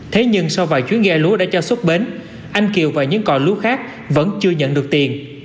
thế nhưng sau vài chuyến ghe lúa đã cho xuất bến anh kiều và những còi lúa khác vẫn chưa nhận được tiền